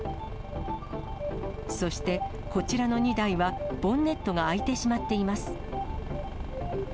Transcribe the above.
そして、こちらの２台は、ボンネットが開いてしまっています。